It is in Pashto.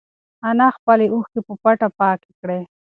انا خپلې اوښکې په پټه پاکې کړې.